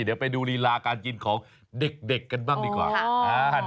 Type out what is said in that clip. เดี๋ยวไปดูรีลาการกินของเด็กกันบ้างดีกว่า